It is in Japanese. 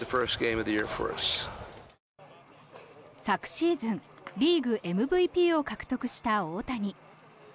昨シーズンリーグＭＶＰを獲得した大谷。